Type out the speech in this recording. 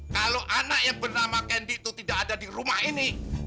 kalau anak yang bernama kendi itu tidak ada di rumah ini